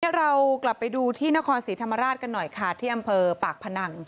เรากลับไปดูที่นครศรีธรรมราชกันหน่อยค่ะที่อำเภอปากพนัง